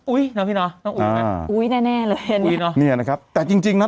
อุ๊ยน้องพี่นอน้องอู๋ไหมอ่าอุ๋ยแน่แน่เลยนี่นะครับแต่จริงจริงน่ะ